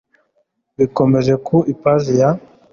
Bikomereje ku ipaji ya